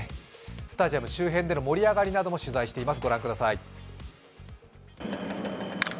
スタジアム周辺での盛り上がりなども取材しています。